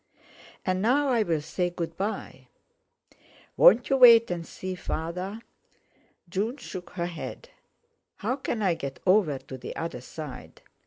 And now I'll say good bye." "Won't you wait and see Father?" June shook her head. "How can I get over to the other side?"